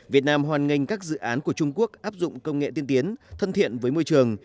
việt nam hoàn ngành các dự án của trung quốc áp dụng công nghệ tiên tiến thân thiện với môi trường